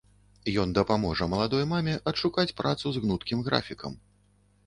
Ён дапаможа маладой маме адшукаць працу з гнуткім графікам.